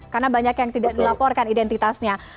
karena banyak yang tidak dilaporkan identitasnya